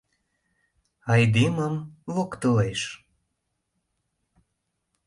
Айдемым локтылеш.